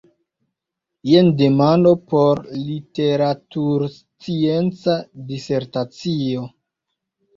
Jen demando por literaturscienca disertacio.